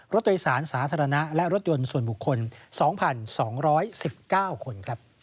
รถโดยสารสาธารณะและรถยนต์ส่วนบุคคล๒๒๑๙คน